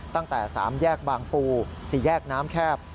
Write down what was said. ตั้งแต่๓แยกบางปู๔แยกน้ำแคบ